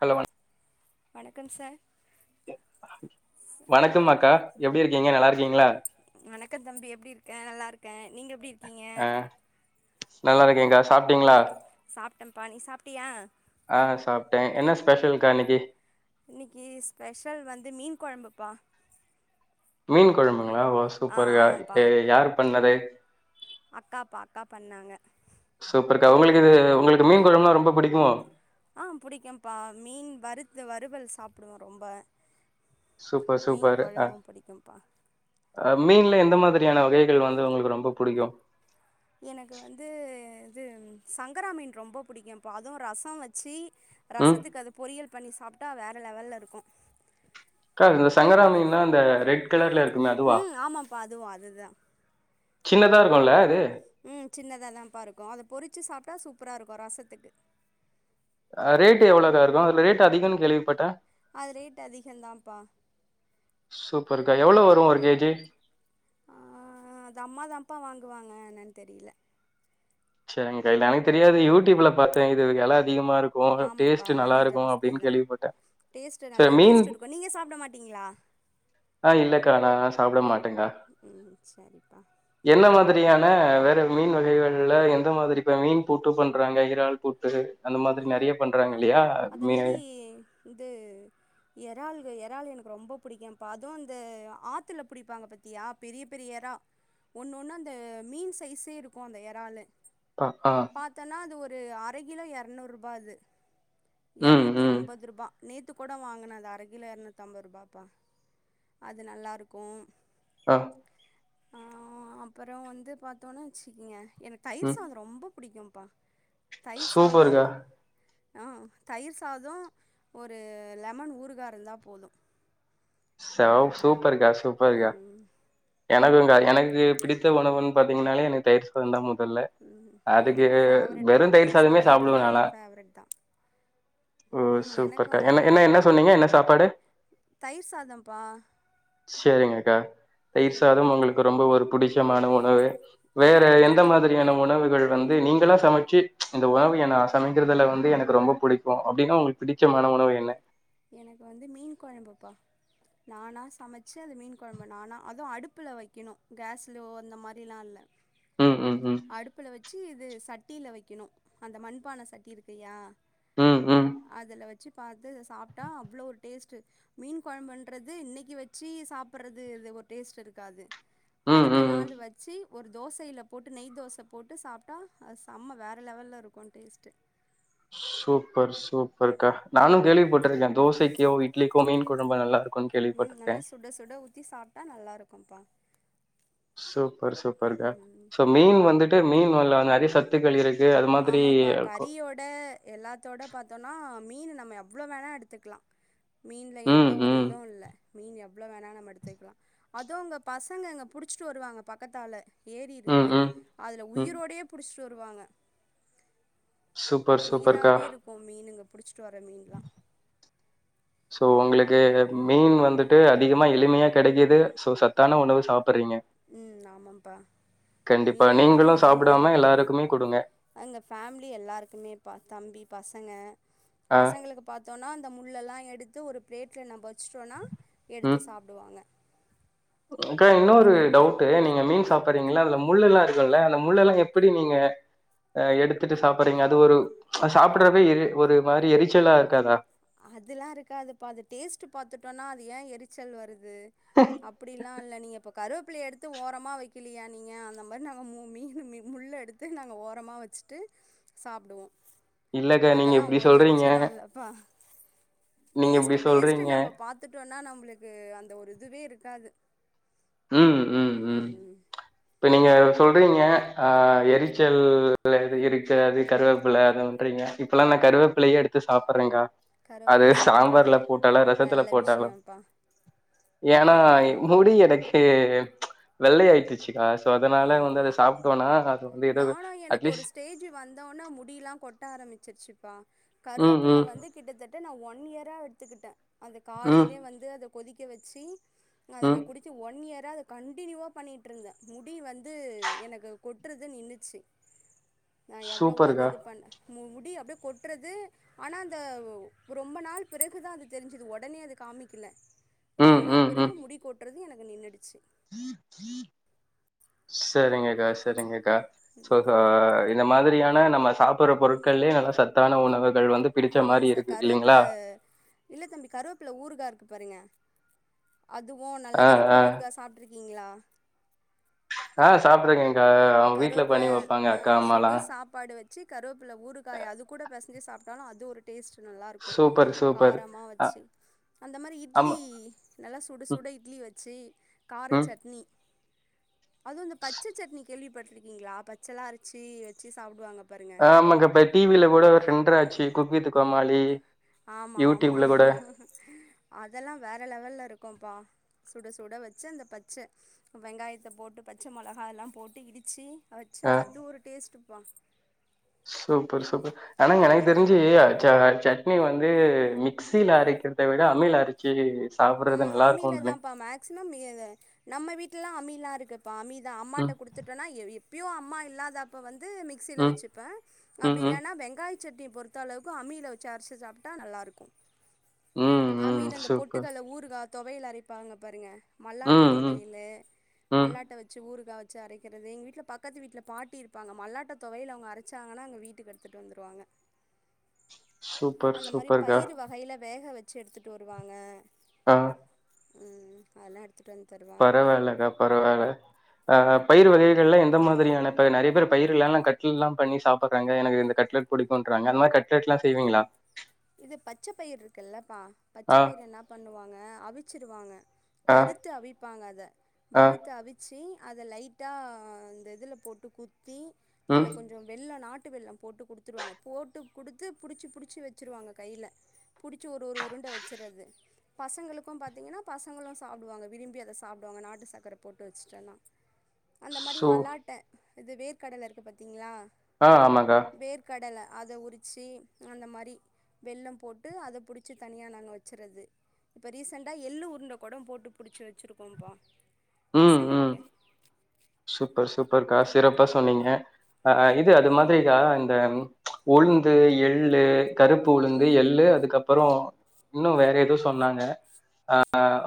Hello வணக்கம் sir வணக்கம் அக்கா எப்டி இருக்கீங்க நல்லா இருக்கீங்ளா வணக்க தம்பி எப்டி இருக்க நல்லா இருக்க நீங்க எப்டி இருக்கீங்க அ நல்லா இருக்கே கா சாப்ட்டீங்ளா சாப்ட்டம்பா நீ சாப்ட்டியா ஆ சாப்ட்ட என்ன ஸ்பெஷல்க்கா இன்னிக்கி இன்னிக்கு ஸ்பெஷல் வந்து மீன் கொழம்பு பா மீன் கொழம்புங்ளா ஓ ஆ சூப்பருக்கா ஆமாப்பா யாரு பண்ணது அக்காப்பா அக்கா பண்ணாங்க சூப்பருக்கா உங்களுக்கு இது உங்களுக்கு மீன் கொழம்னா ரொம்ப புடிக்குமோ ஆ புடிக்கும்ப்பா மீன் வறுத்து வறுவல் சாப்டுவோ ரொம்ப சூப்பர் மீன் சூப்பர் அ கொழம்பு புடிக்கும்ப்பா அ மீன்ல எந்த மாதிரியான வகைகள் வந்து உங்களுக்கு ரொம்ப புடிக்கு எனக்கு வந்து இது சங்கரா மீன் ரொம்ப புடிக்கு பா அது ரச வச்சி ம் ரசத்துக்கு அத பொறியல் பண்ணி சாப்ட்டா வேற லெவல்ல இருக்கு க்கா இந்த சங்கரா மீன்னா இந்த ரெட் கலர்ல இருக்குமே அதுவா ம் ஆமாப்பா அதுவு அதுதா சின்னதா இருக்குல்ல அது ம் சின்னதா தா ப்பா இருக்கு அத பொறிச்சி சாப்ட்டா சூப்பரா இருக்கு ரசத்துக்கு அ ரேட் எவ்ளோகா இருக்கு அதுல ரேட் அதிகம்னு கேள்விப்பட்ட அது ரேட் அதிகம் தாம்ப்பா சூப்பருக்கா எவ்ளோ வரு ஒரு கே ஜி அ அது அம்மா தா பா வாங்குவாங்க என்னன் தெரியில செரிங்க எனக்கு தெரியாது யூடூப்ல பாத்தே இது வெல அதிகமா இருக்கு டேஸ்ட் நல்லா இருக்கு அப்டின் கேள்விப்பட்டே டேஸ்ட் நல்ல டேஸ்ட் இருக்கு நீங்க சாப்ட மாட்டீங்ளா ஆ இல்லக்கா நா சாப்ட மாட்டங்கா ம் சரிப்பா என்ன மாதிரியான வேற மீன் வகைகள்ல எ ந்த மாதிரி இப்ப மீன் பூட்டு பண்றாங்க எறால் பூட்டு அந்த மாரி நெறைய பண்றாங்க இல்லையா மீ வந்து எறால்க எறால் எனக்கு ரொம்ப புடிக்கும்பா அது அந்த ஆத்துல புடிப்பாங்க பாத் தியா பெரிய பெரிய எறா ஒன்னு ஒன்னு அந்த மீன் சைஸே இருக்கு அந்த எறாலு அ ஆ பார்த்தன்னா அது ஒரு அர கிலோ இரநூறுபா அது ம், எரநூத்தி ம். ஐம்பது ரூபா நேத்து கூட வாங்குனது அரகிலோ எரநூத் அம்பது ரூபாப்பா அது நல்லாருக்கு ஆ ஆ அப்பற வந்து பாத்தோனா வச்சுக்குங்க எனக் தயிர் ம். சாத ரொம்ப புடிக்கும்ப்பா தயிர் சாத சூப்பர்க்கா. ஆ தயிர் சாதோ ஒரு லெமன் ஊறுகா இருந்தா போது செம் சூப்பர்க்கா சூப்பர் கா ம், எனக்கு கா எனக்கு பிடித்த உணவுன் பாத்தீங்னாலே எனக் தயிர் சாதந்தா மொதல்ல ம். அதுக்கு எனக்கும் ஃபேவரட்ப்பா வெறு தயிர் சாதமே சாப்டுவே சாதன்றது நாளா எனக்கு ஃபேவரட் தான் ஓ ம் சூப்பர்க்கா எனக்கும் என்ன எ- என்ன என்ன சொன்னீங்க என்ன சாப்பாடு தயிர் சாதம்ப்பா செரிங்கக்கா ம் தயிர்சாதம் உங்களுக்கு ரொம்ப ஒரு புடிச்சமான உணவு ம், வேற எந்த ரொம்ப மாதிரி நீங்கந்த உணவுகள் வந்து நீங்களா சமைச்சு இந்த உணவுய நா சமைக்றதல வந்து எனக்கு ரொம்ப புடிக்கு அப்டின்னா உங்ளுக் பிடிச்சமான உணவு என்ன எனக்கு வந்து மீன் கொழம்புப்பா நானா சமச்சு அந்த மீன் கொழம்பு நானா அது அடுப்புல வைக்கணு கேஸ்லோ அந்த மாரிலா இல்ல ம் ம் ம் அடுப்புல வச்சு இது சட்டில வைக்கணு அந்த மண்பான சட்டி இருக்குயா ம் ம் அதுல வச்சு பாத்து சாப்ட்டா அவ்ளோ ஒரு டேஸ்ட்டு மீன் கொழம்புண்றது இன்னைக்கு வச்சி சாப்புட்றது இது ஒரு டேஸ்ட் இருக்காது ம் அடுத்த ம் ம் நாளு வச்சு ஒரு தோசையில போட்டு நெய் தோச போட்டு சாப்ட்டா அது செம்ம வேற லெவல்லருக் க்கு டேஸ்ட்டு சூப்பர் சூப்பர்க்கா நானு கேள்வி பட்டுருக்கே தோசைக்கோ இட்லிக்கோ மீன் கொழம்பு நல்லாருக் ம் நல்லா சுட சுட ஊத்தி சாப்ட்டா நல்லாருக்கும்ப்பா சூப்பர் சூப்பர்க்கா ம் சோ மீன் வந்துட்டு மீன் உள்ள நெறைய சத் சத்துக்கள் இருக்கு அது மாதிரி இருக்கு இப்ப எல்லாத்தோட பாத்தோன்னா மீனு நம்ம எவ்ளோ வேணா எடுத்துக்லா மீன்ல எந்த ம் ஒரு ம் இது இல்ல மீன் எவ்ளோ வேணா நம்ப எடுத்துக்லா அது உங்க பசங்க அங்க புடிச்ட்டு வருவாங்க பக்கத்தால ஏரி ம் இருக்கு ம் அதுல ம் உயிரோடேய புடிச்ட்டு வருவாங்க சூப்பர் சூப்பர்க்கா உயிராவே இருக்கு மீனுங்க புடிச்சிட்டு வர மீன்லா சோ உங்ளுக்கு மீன் வந்துட்டு அதிகமா எளிமையா கெடைக்குது சோ சத்தான உணவு சாப்பட்றீங்க ம் ஆமாம்பா மீனுன்றது இங்க நீங்களும் எளிமையா சாப்பிடாம கெடைக்கு எல்லாருக்குமே குடுங்க. எங்க ஃபேம்லி எல்லாருக்குமேபா தம்பி பசங்க ஆ, பசங்களுக்கு பாத்தோனா அந்த முள்ளல்லா எடுத்து ஒரு ப்ளேட்ல நம்ப வச்சுட்டோன்னா ம். எடுத்து சாப்டுவாங்க அக்கா இன்னொரு டவுட் டு நீங்க மீன் சாப்ட்றீங்கள அதுல முள்ளல்லா இருக்கும்ல அந்த முள்ளல்லா எப்புடி நீங்க அ எடுத்துட்டு சாப்பட்றீங்க அது ஒரு ச் சாப்புட்றபே எரி ஒரு மாரி எரிச்சலா இருக்காதா அதுல்லாருக்காது பா அது டேஸ்ட் பாத்துடோன்னா அது ஏ எரு சல் வருது அப்டிலா இல்ல நீங்க இப்ப கருவாப்பில்லைய எடுத்து ஓரமா வைக்கலயா நீங்க அந்த மாரி நாங்க மூ மீனு மீ முல்ல எடுத்து நாங்க ஓரமா வச் வச்சுட்டு சாப்டுவோ இல்லக்கா நீங்க அதலா இப்படி ஒரு சொல்றீங்க எரிச்சலுல்லபா நீங்க இப்படி டேஸ்ட்டு டேஸ்ட் சொல்றீங்க. நம்ப பாத் கத்துட்டோன்னா நம்பள்க்கு அந்த ஒரு இதுவே இருக்காது ம் இப்ப நீங்க சொல்கிறீங்க அ எரிச்சல் எது இருக்காது கருவாப்பில அ பண்றிங்க இப்பெல்லா நா கருவேப்பிள்ளையே எடுத்து சாப்டுறேங்க்கா அது கருவேப்பிலைய சாப்புட்றே சாம்பார்ல போட்டாலோ ரசத்துல நல்ல போட்டாலோ விஷயம்ப்பா ஏன்னா ம் முடி எனக்கு வெள்ளை ஆயிட்டுச்சுக்கா சோ ஆ அதனால வந்து அத சாப்ட்டோம்னா அது வந்து ஏதோ அட்லீஸ்ட் ஏஜ்ஜு வந்தோன முடிலா கொட்ட ஆரம்பிச்சிருச்சுப்பா ம், கருவேப்புல்ல ம், வந்து கிட்டத்தட்ட நா ஒன் இயரா எடுத்துக்கிட்டே அந்த ம், காலையிலேயு வந்து அத கொதிக்க வச்சு அத நா ம். குடிச்சு ஒன் இயரா அத கன்டினியூவ பண்ணிட்ருந்தே முடி வந்து எனக்கு கொட்றது நின்னுச்சு நா எவ்ளோவோ அத சூப்பர்க்கா. இது பண்ணே முடி அப்டியே கொட்றது ஆனா அந்த ரொம்ப நாள் பிறகுதா அது தெரிஞ்சுது ஒடனே அது காமிக்கல ரொம்ப ம், நாள் ம், ம். பிறகு முடி கோட்டுறது எனக்கு நின்னுடுச்சு சரிங்கக்கா சரிங்கக்கா சோ இந்த மாதிரியான நம்ம சாப் ப்புற பொருட்கள்லயே நல்லா சத்தான உணவுகள் வந்து பிடிச்ச மாரிருக்கு இல்லைங்களா இல்ல தம்பி கருவேப்பில ஊறுகாருக்கு பாருங்க அதுவு நல்ல ஆ, ஆ. கருவேப்பில ஊருகா சாப் ட்ருக்கீங்களா ஆ சாப்ட்டுறேங்க்கா அவுங்க வீட்ல பண்ணி கருவேப்பிலை வப்பாங்க அக்கா அஹ், சுடு அம்மால்லா சாப்பாடு வச்சு கருவேப்பில ஊறுக்காய அது கூட பசஞ்சி சாப்ட்டாலு அது ஒரு டேஸ்ட் நல்லாருக்கு சூப்பர், சூப்பர். காரமா அ வச்சுக் அந்த மாரி இட்லி ஆமா. நல்லா சுட ம், சுட இட்லி வச்சு கார ம். சட்னி அது அந்த பச்ச சட்னி கேள்விப்பட்ருக்கீங்ளா பச்சைல்லா அரச்சு வெச்சு சாப்டுவாங்க பாருங்க ஆமாங்க இப்ப டிவில கூட செண்டர் ஆச்சு குக்கு வித்து கோமாளி ஆமா ஆமா யூடியூப்ல கூட அதெல்லா வேற லெவல்ல இருக்குப்பா சுட சுட வச்சு அந்த பச்ச வெங்காயத்த போட்டு பச்ச மொளகா எல்லா போட்டு இடிச்சு வச்சு ஆ அது ஒரு டேஸ்ட்டுபா சூப்பர் சூப்பர் ஆனாங்க எனக்கு தெரிஞ்சு அரச்சி அரச்சி சட்னி வந்து மிக்சில அரைக்கிறத விட அம்மில அரச்சு சா ம் அம்மில தான்பா ‌மேக் மேக்சிமம் நீ அத நம் வீட்லெல்லா அம்மிலா இருக்குப்பா அம்மி தா அம்மாட்ட ம், குடுத்துட்றன்னா ஏ வி அப்பையு அம்மா இல்லாதப்ப வந்து மிக்சியில ம், வச்சுப்பே ம், அப்டி ம், இல்லேன்னா வெங்காயத் சட்டிய பொறுத்த அளவுக்கு அம்மில வச்சு அரச்சு சாப்ட்டா நல்லாருக்கு ம், ம். அம்மில இந்த பொட் சூப்பர். ஊருகா தொவையல் அறிப்பாங்க பாருங்க மல்லாட்ட ம், ம், தொவையல் ம். மல்லாட்ட வச்சு ஊருகா வச் சு அரைக்கிறது எங்க வீட்ல பக்கத்து வீட்ல பாட்டி இருப்பாங்க மல்லாட்ட தொவையல் அவுங்க அரைச்சாங்கன்னா எங்க வீட்டுக்கு எடுத்துட்டு வந்துடுவாங்க சூப்பர், அந்த மாதிரி சூப்பர்க்கா. பயிர் வகைல வேக வச்சு எடுத்துட்டு வருவாங்க ஆ ம் அதெல்லா எடுத்து பரவால்லக்கா பரவால்ல ஆ பயிர் வகைகள்லாம் எந்த மாதிரியான பயிர் நெறைய பேர் பயிர்கள்லாம் கட்லல்லாம் பண்ணி சாப்டுறாங்க எனக்கு இந்த கட்லட் புடிக்குன்றாங்க அந்த மாரி கட்லட்லா செய்வீங்களா இது பச்ச பயிர் இருக்குல்லப்பா பச்ச ஆ, பயிர் என்ன பண்ணுவாங்க அவிச்சிருவாங்க ஆ, வறுத்து அவிப்பாங்க அத ஆ. வறுத்து அவித் சி அத லைட்டா இந்த இதுல போட்டு குத்தி அது ம். கொஞ்சோ வெல்லம் நாட்டு வெல்லம் போட்டு குடுத்துருவாங்க போட்டு குடுத்து புடிச்சு புடிச்சி வச்ச வச்சுருவாங்க கைல புடிச்சி ஒரு ஒரு உருண்ட வச்சுறது பசங்களுக்கு பாத்திங்கன்னா பசங்களு சாப்டுவாங்க விரும்பி அத சாப்டுவாங்க நாட்டு சக்கர போட்டு வச்சுட்டன்னா அந்த மாரி சோ மல்லாட்ட இது வேர்க்கடல இருக்கு பாத்தீங்களா ஆ ஆமாங்கா வேர்க்கடல அத உரிச்சி அந்த மாரி வெல்லம் போட்டு அத புடிச்சி தனியா நாங்க வச்சிறது இப்ப ரீசண்டா எள்ளு உருண்ட கூட போட்டு புடிச்சி வச்சிருக்கோம்ப்பா ம், ம். பசங்களுக்கு சூப்பர் சூப்பர்க்கா சிறப்பா சொன்னீங்க ஆ இது அது மாதிரி கா இந்த உளுந்து எள்ளு கருப்பு உளுந்து ஆமாம் எள்ளு அதுக்கப் புறோம் இன்னு வேற எதோ சொன்னாங்க ஆ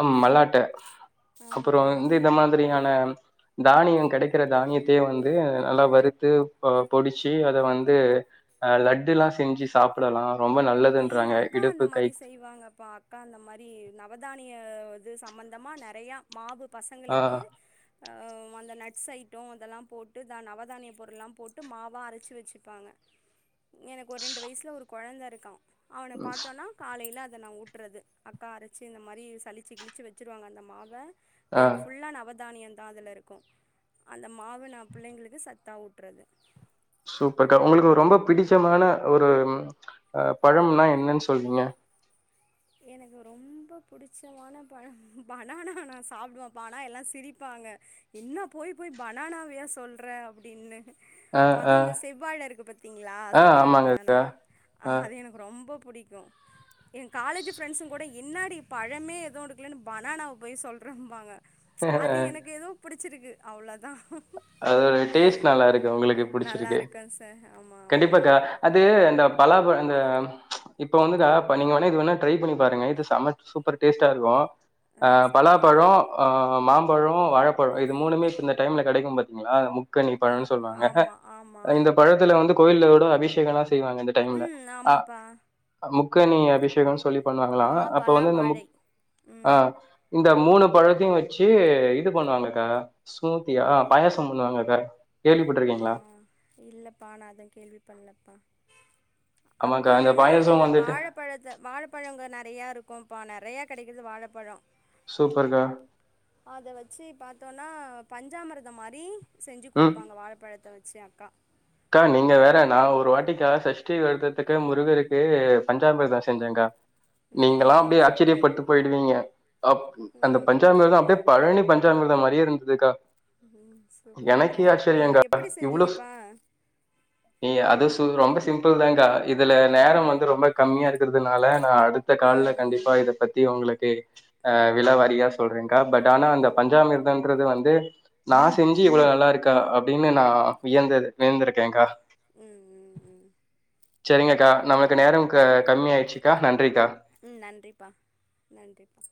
ம மல்லா ட்ட அப்புறோ ஆமாம்ப்பா வந்து இந்த மாதிரியான தானியோ கெடைக்கற தானியத்தியே வந்து நல்லா வறுத்து பொடிச்சி அத வந்து அ லட்டுலா செஞ்சி சாப்படலா ரொம்ப நல்லதுன்றாங்க இடுப்பு கை இவாங்கப்பா கா அந்த மாரி நவதானிய இது சம்பந்தமா நெறைய மாவு ஆ பசங்களுக்கு ஆ அந்த நட்ஸ் ஐட்டோ அதெல்லா போட்டு தா நவதானிய பொருள்லா போட்டு மாவா அரைச்சி வச்சிப்பாங்க எனக்கு ஒரு ரெண்டு வயசுல ஒரு கொழந்த இருக்கா அவன ஸ் பாத்தோன்னா காலையில அத நா ஊட்றது அக்கா அரைச்சி இந்த மாரி சளிச்சி கிழிச்சி வச்சிருவாங்க அந்த மாவ ஆ வேறு ஃபுல்லா நவதானியந்தா அதலரு க்கு அந்த மாவ நா புள்ளைங்களுக்கு சத்தா ஊட்றது சூப்பர்க்கா உங்குள்க்கு ரொம்ப பிடிச்சமான ஒரு ம் அ பழம்னா என்னன் சொல்வீங்க எனக்கு ரொம்ப புடிச்சமான பழன் பனானா நா சாப்டுவம்ப்பா ஆனா எல்லா சிரிப்பாங்க என்ன போய் போய் பனானாவையா சொல்ற அப்டின்னு ஆ, ஆ, அதூ இந்த செவ்வாழ இருக்கு பாத்தீங்ளா ஆ செவ்வாழ ஆமாங்க. பனானா ஆ. அது எனக் ரொம்ப புடிக்கு காலேஜ் ஃப்ரெண்ஸுங் கூட என்னாடி பழமே எதூ எடுக்லன்னு பனானாவ் போய் சொல்றம்பாங்க அது எனக்கு எதோ புடிச்சிருக்கு அவ்ளதா அதோட டேஸ்ட்டு நல்லா இருக்கு அவுங்களுக்கு நல்லா புடிச்சிருக்கு இருக்கும் சார் ஆமாம் ஆமாம் கண்டிப்பாக்கா அது இந்த பலாபழ இந்த இப்ப வந்துக்கா இப்ப நீங்க வேணா இது வேணா ட்ரை பண்ணி பாருங்க இது சம சூப்பரு டேஸ்ட்டா இருக்கு ஆ பலாப்பழோ ஆ மாம்பழோ வாழப்பழோ இது மூணுமே இப்ப இந்த டைம்ல கெடைக்கும் பா த்திங்களா முக்கனி ஆ பழனு சொல்லுவாங்க ஆமாம் ஆமாம் இந்த பழத்துல வந்து கோயில்ல ஊடோ அபிஷேகளா செய்வாங்க இந்த டைம்ல ம் ஆ ஆமாப்பா முக்கனி அபிஷேகனு சொல்லி பண்ணுவாங்களா மா அப்ப பலா வந்து இந்த முக் வாழை ஆ ம் இந்த மூணு பழத்தையு வச்சு இது பண்ணுவாங்கக்கா ஸ்மூத்தியா ஆ பாயாசோ பண்ணுவாங்கக்கா ஆ கேள்விப்பட்டிருக்கீங்களா இல்லப்பா நா அத கேள்வி பண்லப்பா ஆமாக்கா அக்கா இந்த வேணா பாயசம் அந்த வந்துட்டு வாழ பழத்த வாழப்பழ இங்க நெறையா இருக்கும்ப்பா நெறையா கிடைக்குது வாழப்பழோ சூப்பர்க்கா அத வச்சு பாத்தோன்னா பஞ்சாமிர்தோ மாரி செஞ்சு ம் குடுப்பாங்க வாழப்பழத்த வச்சு அக்கா அக்கா நீங்க வேற நா ஒரு வாட்டிக்கா சஷ்டி விரதத்துக்கு முருகருக்கு பஞ்சாமிர்தோ செஞ்சேக்கா ம் நீங்கல்லா ம் அப்டியே சூப்பர் ஆச்சரியப்பட்டு போயிடுவீங்க அப் அந்த ம் பஞ்சாமிர்தோ அப்டியே பழனி பஞ்சாமிர்தோ மாரியே இருந்துதுக்கா ம் சூப்பர்ப்பா ம் எப்பிடி இவ்ளோ செஞ்சீங்கப்பா நீ அது சு ரொம்ப சிம்பிள்தாக்கா இதுல நேரோ ம் வந்து ரொம்ப கம்மியா இருக்கிறதுனால நா அடுத்த கால்ல ம் ம் கண்டிப்பா ம் இத பத் தி உங்களுக்கு ஆ விலாவாரியா சொல்றங்கா பட் ஆனா அந்த பஞ்சாமிர்தன்றது வந்து நா செஞ்சி இவ்ளோ நல்லா இருக்கா அப்டினு நா வியந்தது வியந்திருக்கேக்கா ம் ம் சரிங்கக்கா நமக்கு நேரம் க கம்மி ஆயிடுச்சுக்கா நன்றிக்கா ம் நன்றிப்பா நன்றிப்பா